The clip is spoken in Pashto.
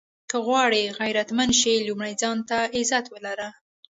که غواړئ عزتمند شې لومړی ځان ته عزت ولره.